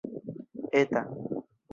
eta